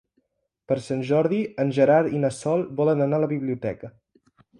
Per Sant Jordi en Gerard i na Sol volen anar a la biblioteca.